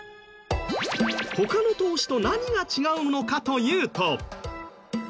他の投資と何が違うのかというと。